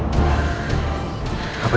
biar gak telat